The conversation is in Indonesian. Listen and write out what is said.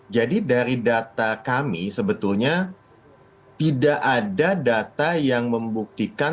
jadi dari data kami sebetulnya tidak ada data yang memungkinkan